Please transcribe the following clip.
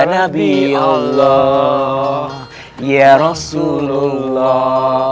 nabi allah ya rasulullah